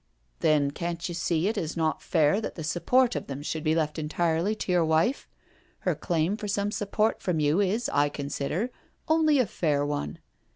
" Then can't you see it is not fair that the support of them should be left entirely to your wife? Her claim for some support from you is, I consider, only a fair one."